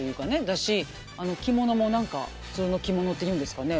あの着物も何か普通の着物っていうんですかね。